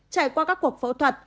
trải qua các cuộc phẫu thuật